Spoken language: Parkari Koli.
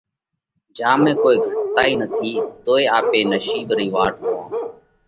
جيا ۾ ڪوئي گھٽتائِي نٿِي۔ توئي آپي نشِيٻ رئي واٽ زوئونه